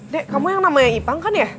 dek kamu yang namanya ipang kan ya